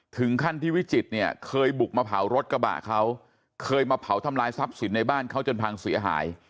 ถึงขั้นที่วิจิตรเนี่ยเคยบุกมาเผารถกระบะเขาเคยมาเผาทำลายทรัพย์สินในบ้านเขาจนพังเสียหาย